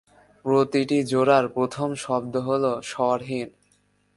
প্রতিটি জোড়ার প্রথম শব্দ হল স্বরহীন।